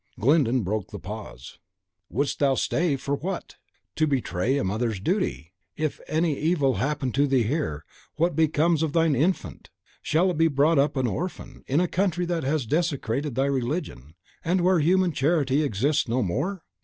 Glyndon broke the pause. "Thou wouldst stay, for what? To betray a mother's duty! If any evil happen to thee here, what becomes of thine infant? Shall it be brought up an orphan, in a country that has desecrated thy religion, and where human charity exists no more?